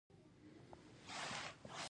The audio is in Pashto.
زه ښه توري کاروم.